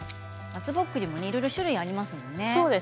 松ぼっくりもいろいろ種類がありますものね。